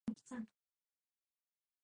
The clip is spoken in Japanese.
教習所に通う